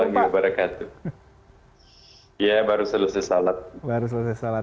ya baru selesai salat